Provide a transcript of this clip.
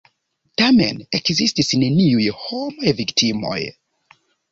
Tamen, ekzistis neniuj homaj viktimoj.